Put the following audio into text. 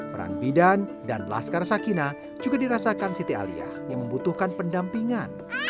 peran bidan dan laskar sakina juga dirasakan siti aliyah yang membutuhkan pendampingan